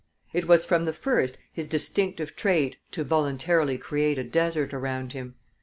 It was from the first his distinctive trait to voluntarily create a desert around him.